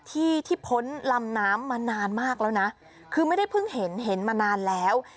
ที่ที่พ้นลำน้ำมานานมากแล้วนะคือไม่ได้เพิ่งเห็นเห็นมานานแล้ว